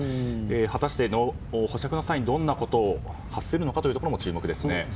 果たして、保釈の際にどんな言葉を発するのかも注目ですね。